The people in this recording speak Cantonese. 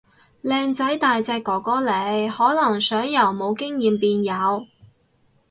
靚仔大隻哥哥嚟，可能想由冇經驗變有